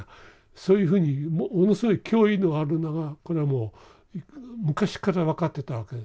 そういうふうにものすごい脅威のあるのはこれはもう昔から分かってたわけ。